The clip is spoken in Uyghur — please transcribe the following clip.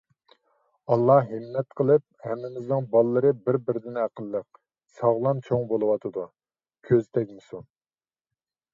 ئاللاھ ھىممەت قىلىپ، ھەممىمىزنىڭ بالىلىرى بىر-بىرىدىن ئەقىللىق، ساغلام چوڭ بولۇۋاتىدۇ. كۆز تەگمىسۇن.